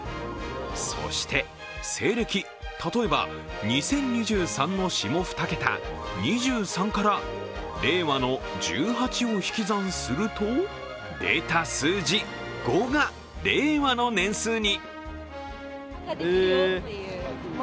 そして西暦、例えば２０２３の下２桁、２３から令和の１８を引き算すると出た数字、５が令和の年数に。